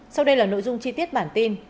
sau đây là nội dung chi tiết bản tin